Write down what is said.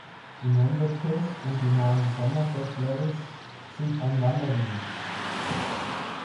Die Mendip Hills und die nahen Somerset Levels sind ein Wandergebiet.